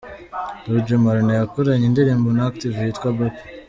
Dj Marnaud yakoranye indirimbo na Active yitwa 'Bape'.